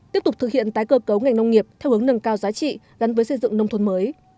tiếp tục thực hiện tái cơ cấu ngành nông nghiệp theo hướng nâng cao giá trị gắn với xây dựng nông thôn mới